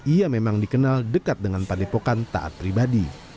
ia memang dikenal dekat dengan padepokan taat pribadi